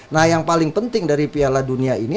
nah yang paling penting dari piala dunia ini